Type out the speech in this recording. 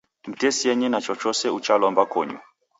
Mtesienyi na chochose uchalomba konyu